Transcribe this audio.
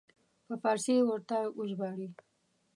په فارسي یې ورته وژباړي.